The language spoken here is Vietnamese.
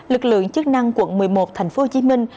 lực lượng chức năng quận một mươi một thành phố hồ chí minh